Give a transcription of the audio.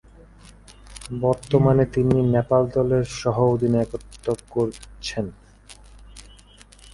বর্তমানে তিনি নেপাল দলের সহঃ অধিনায়কত্ব করছেন।